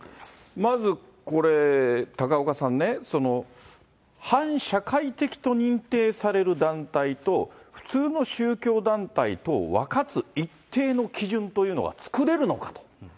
まずこれ、高岡さんね、反社会的と認定される団体と普通の宗教団体とを分かつ一定の基準というのが作れるのかと。